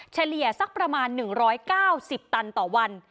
เฉลี่ยสักประมาณ๑๙๐ตันต่อวัน